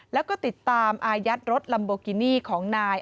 แล้วก็ติดตามอายัดรถลัมโบกินี่ของนาย